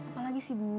apa lagi sih bu